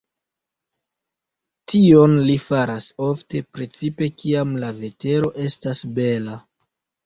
Tion li faras ofte, precipe kiam la vetero estas bela.